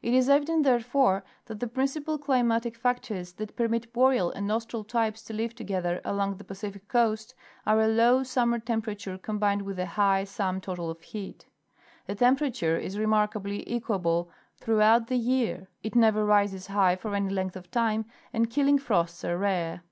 It is evident, therefore, that the principal climatic factors that permit Boreal and Austral types to live together along the Pa cific coast are a low summer temperature combined with a high sum total of heat. The temperature is remarkably equable throughout the year; it never rises high for any length of time, and killing frosts are rare.